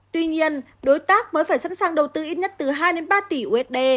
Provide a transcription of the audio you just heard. tuy nhiên đối tác mới phải sẵn sàng đầu tư ít nhất từ hai ba tỷ usd